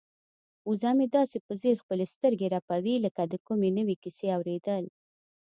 وزه مې داسې په ځیر خپلې سترګې رپوي لکه د کومې نوې کیسې اوریدل.